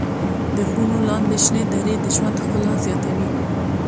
د غرونو لاندې شنې درې د ژوند ښکلا زیاتوي.